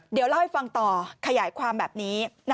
เดี๋ยวเล่าให้ฟังต่อขยายความแบบนี้